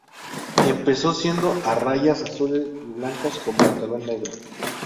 Empezó siendo a rayas azules y blancas con pantalón negro.